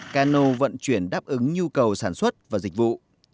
cano vận chuyển đáp ứng nhu cầu sản xuất và dịch vụ